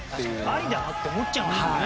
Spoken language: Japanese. ありだなって思っちゃいますもんね。